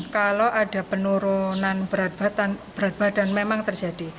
kalau ada penurunan berat badan memang terjadi